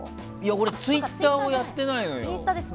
俺ツイッターはやってないのよ。